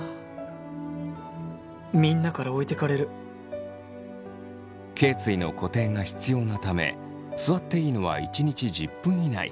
みんなから置いてかれるけい椎の固定が必要なため座っていいのは一日１０分以内。